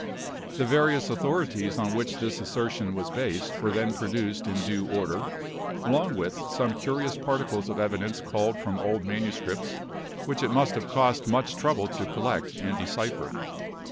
The various authorities on which this assertion was based were then produced in due order; along with some curious particles of evidence culled from old manuscripts, which it must have cost much trouble to collect and decipher.